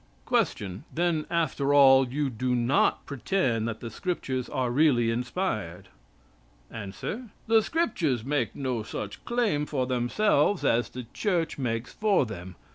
Q. Then, after all, you do not pretend that the Scriptures are really inspired? A. "The Scriptures make no such claim for themselves as the Church make's for them.